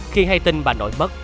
khi hay tin bà nội bất